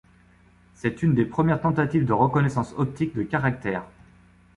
C'est une des premières tentatives de reconnaissance optique de caractères.